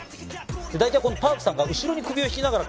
大体 Ｐａｒｋ さんが後ろに首を引きながら